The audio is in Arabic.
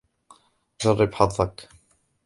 جرب حظك.